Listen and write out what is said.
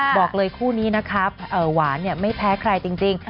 บอกเลยคู่นี้นะครับหวานไม่แพ้ใครจริง